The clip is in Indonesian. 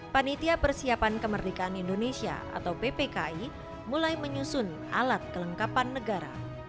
panitia persiapan kemerdekaan indonesia atau ppki mulai menyusun alat kelengkapan negara